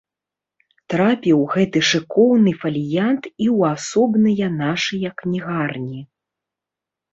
Трапіў гэты шыкоўны фаліянт і ў асобныя нашыя кнігарні.